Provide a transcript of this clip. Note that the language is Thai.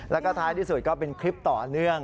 แล้วก็ท้ายที่สุดก็เป็นคลิปต่อเนื่อง